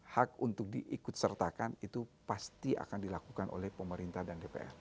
hak untuk diikut sertakan itu pasti akan dilakukan oleh pemerintah dan dpr